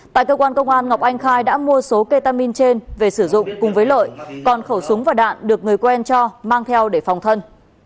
tại cơ quan công an ngọc anh khai đã mua số ketamin trên về sử dụng cùng với lợi còn khẩu súng và đạn được người quen cho mang theo để phòng thân